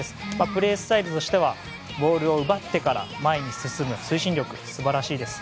プレースタイルとしてはボールを奪ってから前に進む推進力が素晴らしいです。